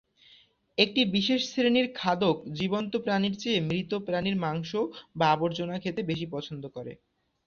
একটি বিশেষ শ্রেণির খাদক জীবন্ত প্রাণীর চেয়ে মৃত প্রাণীর মাংস বা আবর্জনা খেতে বেশি পছন্দ করে।